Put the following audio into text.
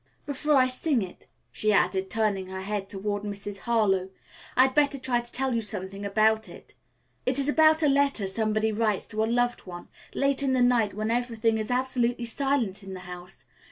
"Before I sing it," she added, turning her head toward Mrs. Harlowe, "I had better try to tell you something about it. It is about a letter somebody writes to a loved one, late in the night when everything is absolutely silent in the house.